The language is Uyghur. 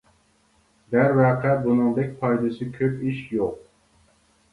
دەرۋەقە بۇنىڭدەك پايدىسى كۆپ ئىش يوق.